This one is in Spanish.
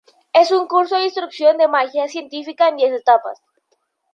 Es un curso de instrucción de magia científica en diez etapas.